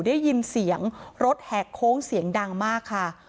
ได้ยินเสียงรถแหกโค้งเสียงดังมากค่ะ